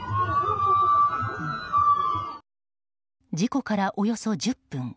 事故からおよそ１０分。